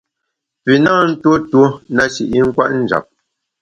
Pü na ntuo tuo na shi i nkwet njap.